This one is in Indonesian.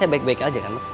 baik baik aja kan